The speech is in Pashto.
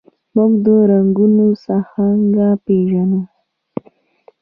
موږ رنګونه څنګه پیژنو؟